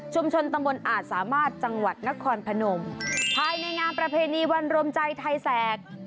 ตำบลอาจสามารถจังหวัดนครพนมภายในงานประเพณีวันรวมใจไทยแสก